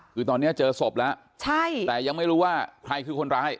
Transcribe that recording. คือตอนนี้เจอศพแล้วใช่แต่ยังไม่รู้ว่าใครคือคนร้าย